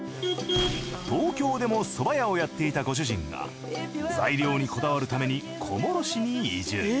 東京でもそば屋をやっていたご主人が材料にこだわるために小諸市に移住。